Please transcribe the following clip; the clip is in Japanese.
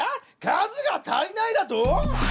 数が足りないだと？